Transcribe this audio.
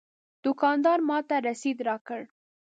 دوکاندار ماته رسید راکړ.